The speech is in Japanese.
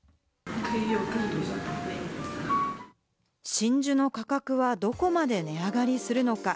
真珠の価格はどこまで値上がりするのか？